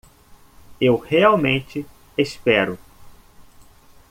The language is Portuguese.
Eu realmente espero